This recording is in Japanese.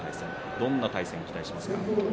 どんな対戦を期待しますか？